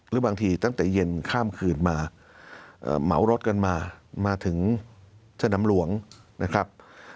หรือบางทีตั้งแต่เย็นข้ามคืนมาเหมารถกันมามาถึงสนามหลวงนะครับ